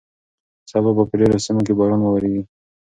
سبا به په ډېرو سیمو کې باران وورېږي.